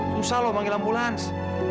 susah loh manggil ambulans